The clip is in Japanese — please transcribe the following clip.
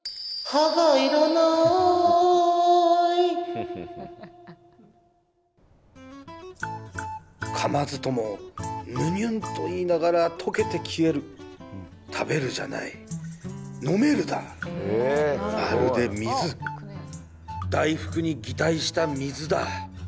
歯がいらない噛まずともむにゅんといいながらとけて消える食べるじゃないのめるだまるで水大福に擬態した水だ